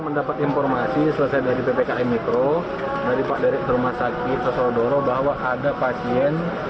mendapat informasi selesai dari ppkm mikro dari pak dari rumah sakit sosaudoro bahwa ada pasien